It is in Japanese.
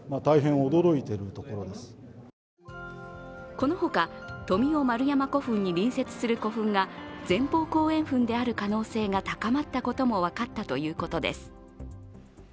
このほか、富雄丸山古墳に隣接する古墳が前方後円墳である可能性が高まったことも分かったということです。